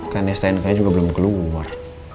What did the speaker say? kan s tnknya juga belum keluar